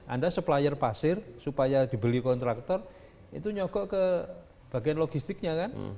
anda supplier pasir supaya dibeli kontraktor itu nyokok ke bagian logistiknya kan